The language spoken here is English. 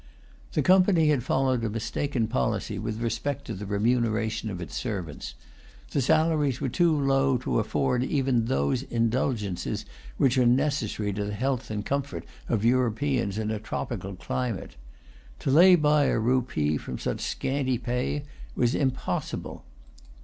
The Company had followed a mistaken policy with respect to the remuneration of its servants. The salaries were too low to afford even those indulgences which are necessary to the health and comfort of Europeans in a tropical climate. To lay by a rupee from such scanty pay was impossible.